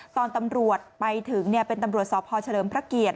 ตอนตำรวจไปถึงเป็นตำรวจสพเฉลิมพระเกียรติ